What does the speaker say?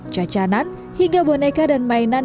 jajanan hingga boneka dan mainan